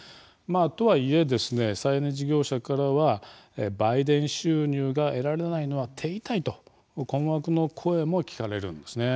とはいえ、再エネ事業者からは売電収入が得られないのは手痛いと困惑の声も聞かれるんですね。